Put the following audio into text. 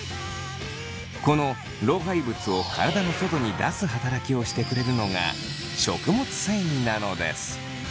この老廃物を体の外に出す働きをしてくれるのが食物繊維なのです。